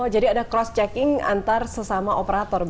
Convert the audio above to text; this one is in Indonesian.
jadi ada cross checking antar sesama operator